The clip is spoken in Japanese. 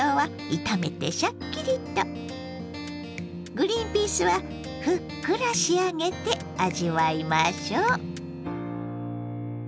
グリンピースはふっくら仕上げて味わいましょう。